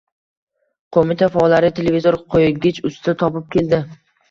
Qo‘mita faollari televizor qo‘ygich usta topib keldi.